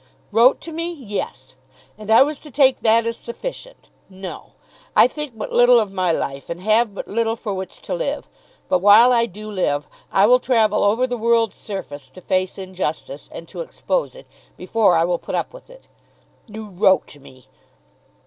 "Wrote to me; yes! And I was to take that as sufficient! No. I think but little of my life and have but little for which to live. But while I do live I will travel over the world's surface to face injustice and to expose it, before I will put up with it. You wrote to me!